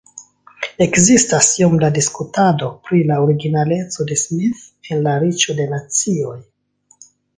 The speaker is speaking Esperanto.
Ekzistas iom da diskutado pri la originaleco de Smith en "La Riĉo de Nacioj".